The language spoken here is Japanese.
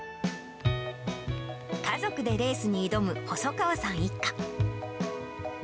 家族でレースに挑む細川さん一家。